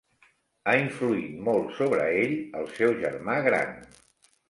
Ha influït molt sobre ell el seu germà gran.